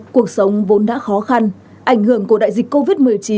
cuộc sống vốn đã khó khăn ảnh hưởng của đại dịch covid một mươi chín